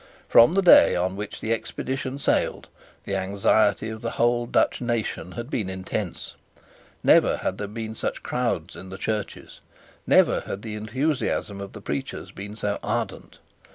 From the day on which the expedition sailed, the anxiety of the whole Dutch nation had been intense. Never had there been such crowds in the churches. Never had the enthusiasm of the preachers been so ardent.